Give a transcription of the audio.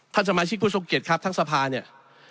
สมาชิกผู้ทรงเกียจครับทั้งสภาเนี่ย